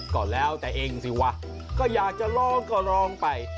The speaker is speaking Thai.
ก็แล้วแต่เองสิวะก็อยากจะร้องก็ร้องไป